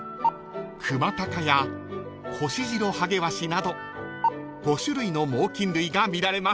［クマタカやコシジロハゲワシなど５種類の猛禽類が見られます］